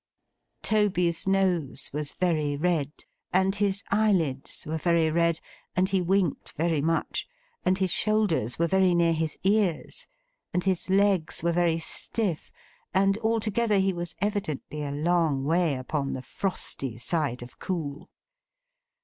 Toby's nose was very red, and his eyelids were very red, and he winked very much, and his shoulders were very near his ears, and his legs were very stiff, and altogether he was evidently a long way upon the frosty side of cool.